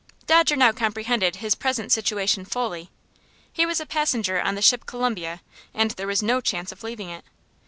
Dodger now comprehended his present situation fully. He was a passenger on the ship Columbia, and there was no chance of leaving it.